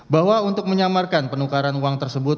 bahwa untuk menyamarkan penukaran uang tersebut